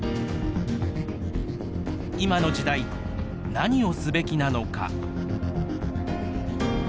今の時代何をすべきなのか。